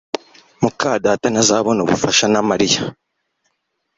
muka data ntazabona ubufasha na Mariya